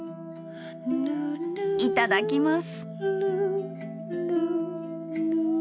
いただきます！